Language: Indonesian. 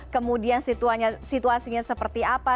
kemudian situasinya seperti apa